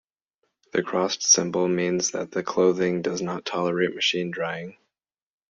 The crossed symbol means that the clothing does not tolerate machine drying.